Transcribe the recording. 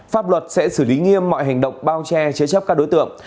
pháp luật sẽ xử lý nghiêm mọi hành động bao che chế chấp các đối tượng